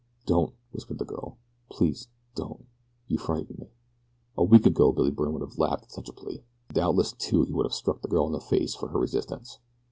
"Don't," whispered the girl. "Please don't, you frighten me." A week ago Billy Byrne would have laughed at such a plea. Doubtless, too, he would have struck the girl in the face for her resistance.